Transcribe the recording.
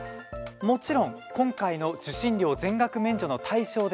もちろん、今回の受信料全額免除の対象です。